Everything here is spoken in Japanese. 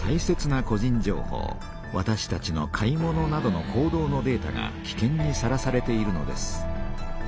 わたしたちの買い物などの行動のデータがきけんにさらされているのです。